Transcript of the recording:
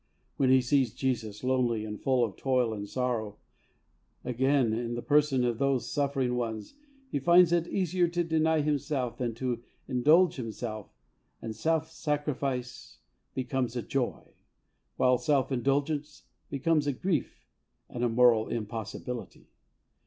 When he sees Jesus, lonely and full of toil and sorrow, again, in the person of these suffering ones, he finds it easier to deny himself than to indulge himself, and self sacrifice becomes a joy, while self indulgence becomes a grief and a moral impossibility.